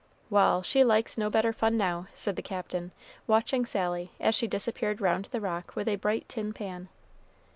"Wal', she likes no better fun now," said the Captain, watching Sally, as she disappeared round the rock with a bright tin pan.